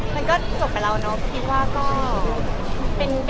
มันก็สมไปแล้วนะ